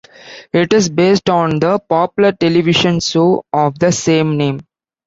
It is based on the popular television show of the same name.